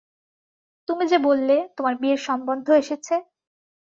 তুমি যে বললে, তোমার বিয়ের সম্বন্ধ এসেছে।